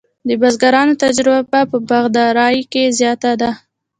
د بزګرانو تجربه په باغدارۍ کې زیاته ده.